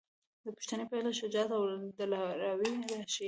د پښتنې پېغلې شجاعت او دلاوري راښايي.